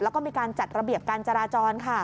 แล้วก็มีการจัดระเบียบการจราจร